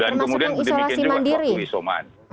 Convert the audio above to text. dan kemudian dibikin juga waktu isoman